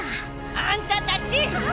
あんたたち！